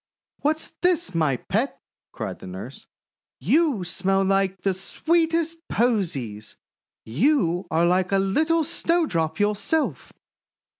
" What's this, my pet? " cried the nurse. ' You smell like the sweetest posies! You are like a little Snowdrop yourself!'